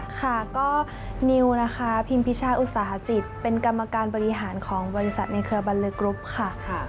ค่ะก็นิวนะคะพิมพิชาอุตสาหกิจเป็นกรรมการบริหารของบริษัทในเครือบรรลึกกรุ๊ปค่ะ